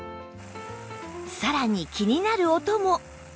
さらに気になる音も